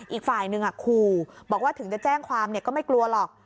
อีกฝ่ายหนึ่งขู่บอกว่าถึงจะแจ้งความก็ไม่กลัวหรอก